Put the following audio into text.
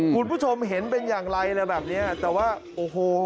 คุณผู้ชมเห็นเป็นอย่างไรอะไรแบบเนี้ยแต่ว่าโอ้โห